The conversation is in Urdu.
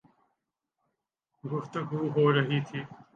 گفتگو ہو رہی تھی